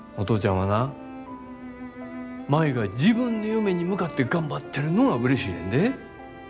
はな舞が自分の夢に向かって頑張ってるのがうれしいねんで。